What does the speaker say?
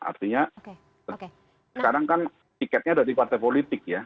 artinya sekarang kan tiketnya dari partai politik ya